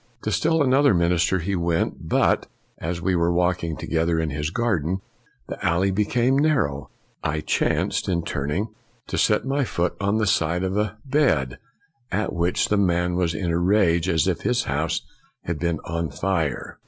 To still another minister he went, but " as we were walking together in his garden, the alley being narrow, I chanced, in turning, to set my foot on the side of a bed, at which the man was in a rage as if his house had been on fire."